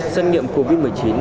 xét nghiệm covid một mươi chín